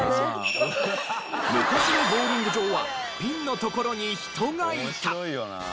昔のボウリング場はピンの所に人がいた。